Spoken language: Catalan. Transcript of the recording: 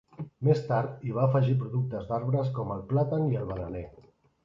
Més tard hi va afegir productes d'arbres com el plàtan i el bananer.